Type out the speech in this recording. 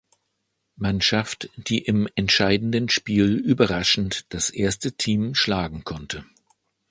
Mannschaft, die im entscheidenden Spiel überraschend das erste Team schlagen konnte.